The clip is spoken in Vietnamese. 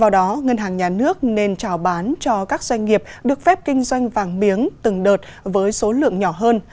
do đó ngân hàng nhà nước nên trào bán cho các doanh nghiệp được phép kinh doanh vàng miếng từng đợt với số lượng nhỏ hơn